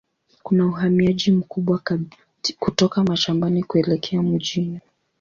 Kuna uhamiaji mkubwa kutoka mashambani kuelekea mjini.